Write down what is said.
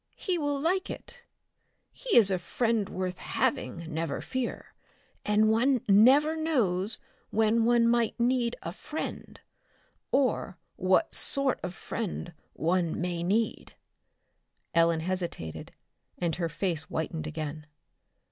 He will like it. He is a friend worth having, never fear, and one never knows when one may need a friend or what sort of friend one may need." Ellen hesitated, and her face whitened again.